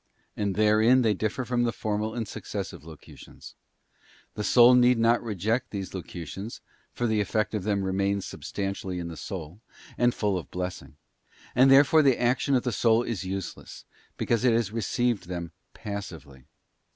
And herein they differ from the formal and successive locutions. The soul need not reject these locu tions, for the effect of them remains substantially in the soul, and full of blessing; and therefore the action of the soul is useless, because it has received them passively.